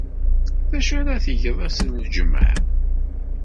D acu ara tgeḍ deg wass n Ljemɛa?